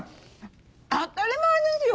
当たり前ですよ！